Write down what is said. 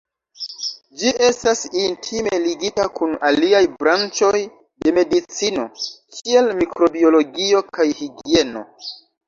Ĝi estas intime ligita kun aliaj branĉoj de medicino, kiel mikrobiologio kaj higieno.